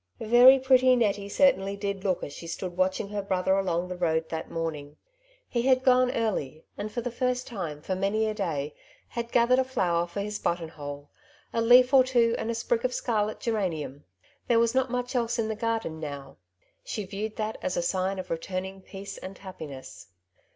Yery pretty Nettie certainly did look as she stood watching her brother along the road that morning. He had gone early, and for the first time for many a day had gathered a flower for his button hole, a leaf or two, and a sprig of scarlet geranium ; there was not much else in the garden now. She viewed that as a sign of returning peace and happiness.